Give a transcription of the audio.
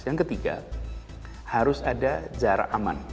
yang ketiga harus ada jarak aman